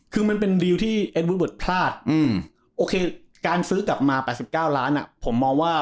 คือมันเป็นดีลที่เอ็นวูดพลาดโอเคการซื้อกลับมา๘๙ล้านผมมองว่า